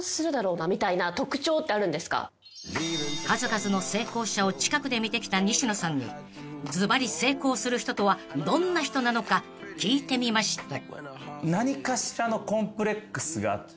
［数々の成功者を近くで見てきた西野さんにずばり成功する人とはどんな人なのか聞いてみました］